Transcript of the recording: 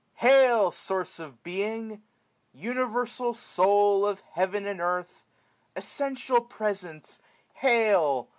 Hail, Source of Being ! Universal Soul Of heaven and earth ! Essential Presence, hail!